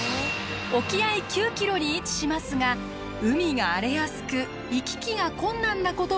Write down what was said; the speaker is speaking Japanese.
沖合９キロに位置しますが海が荒れやすく行き来が困難なことも多い島です。